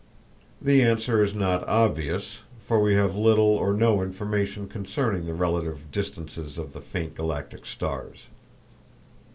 The answer is not obvious, for we have little or no information concerning the relative distances of the faint galactic stars.